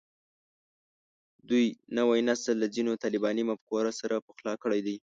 دوی نوی نسل له ځینو طالباني مفکورو سره پخلا کړی دی